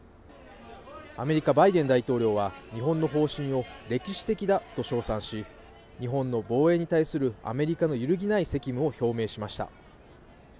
アメリカ・バイデン大統領は日本の方針を歴史的だと称賛し、日本の防衛に対するアメリカの揺るぎない責務を表明しました。